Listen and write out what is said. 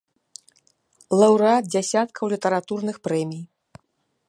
Лаўрэат дзясяткаў літаратурных прэмій.